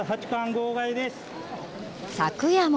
昨夜も。